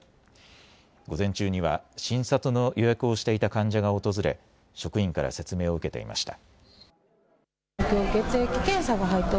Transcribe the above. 午前中には診察の予約をしていた患者が訪れ職員から説明を受けていました。